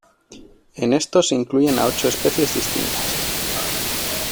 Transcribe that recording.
En estos se incluyen a ocho especies distintas.